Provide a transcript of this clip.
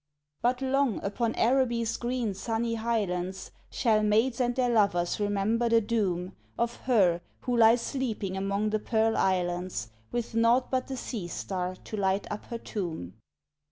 But long, upon Araby's green sunny highlands, Shall maids and their lovers remember the doom Of her who lies sleeping among the Pearl Islands, With naught but the sea star to light up her tomb.